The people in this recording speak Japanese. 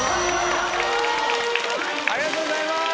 ありがとうございます。